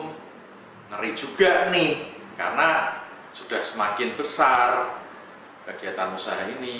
ngeri juga nih karena sudah semakin besar kegiatan usaha ini